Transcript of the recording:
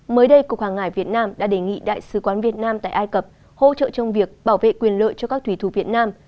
mới đây cục hàng hải việt nam đã đề nghị đại sứ quán việt nam tại ai cập hỗ trợ trong việc bảo vệ quyền lợi cho các thủy thủ việt nam